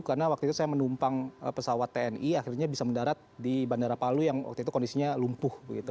karena waktu itu saya menumpang pesawat tni akhirnya bisa mendarat di bandara palu yang waktu itu kondisinya lumpuh